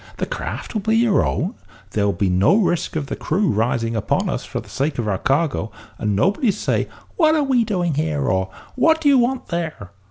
The craft will be your own; there will be no risk of the crew rising upon us for the sake of our cargo; and nobody to say `What are we doing here?' or `What do you want there?'